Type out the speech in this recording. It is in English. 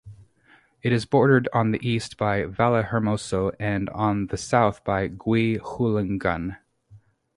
It is bordered on the east by Vallehermoso and on the south by Guihulngan.